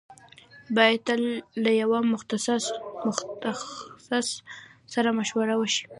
بايد تل له يوه متخصص سره مشوره وشي.